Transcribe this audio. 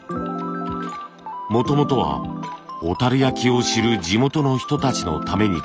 もともとは小焼を知る地元の人たちのために作ったガラス製品。